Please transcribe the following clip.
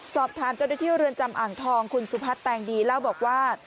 สอบถามเจ้าหน้าที่เรือนจำอ่างทองคุณสุพัฒน์แตงดีเล่าบอกว่า